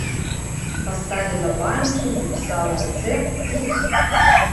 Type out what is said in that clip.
Паставіла банькі, напісала рэцэпт і ўсё.